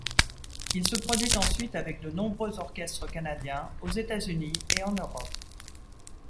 Il se produit ensuite avec de nombreux orchestres canadiens, aux États-Unis et en Europe.